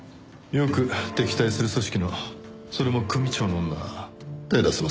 よく敵対する組織のそれも組長の女手出せますね。